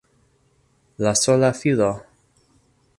La sola filo!